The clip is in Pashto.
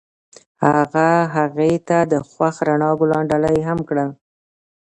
هغه هغې ته د خوښ رڼا ګلان ډالۍ هم کړل.